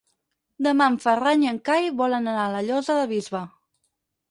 Demà en Ferran i en Cai volen anar a la Llosa del Bisbe.